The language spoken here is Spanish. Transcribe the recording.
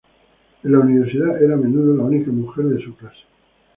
En la universidad era a menudo la única mujer de su clase.